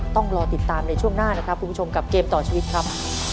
ต้องรอติดตามในช่วงหน้านะครับคุณผู้ชมกับเกมต่อชีวิตครับ